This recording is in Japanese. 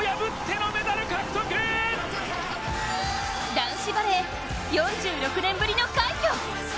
男子バレー、４６年ぶりの快挙。